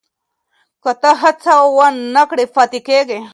که ته هڅه ونه کړې پاتې کېږې.